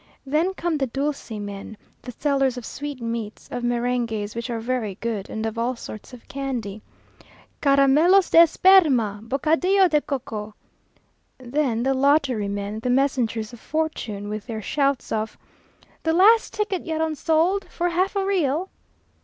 Then come the dulce men, the sellers of sweetmeats, of meringues, which are very good, and of all sorts of candy. "Caramelos de esperma! bocadillo de coco!" Then the lottery men, the messengers of Fortune, with their shouts of "The last ticket yet unsold, for half a real!"